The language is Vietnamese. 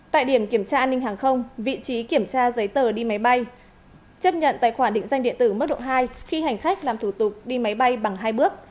tại điểm kiểm tra an ninh hàng không vị trí kiểm tra giấy tờ đi máy bay chấp nhận tài khoản định danh điện tử mức độ hai khi hành khách làm thủ tục đi máy bay bằng hai bước